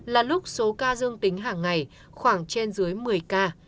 là lúc số ca dương tính hàng ngày khoảng trên dưới một mươi ca